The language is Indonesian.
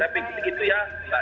tapi begitu ya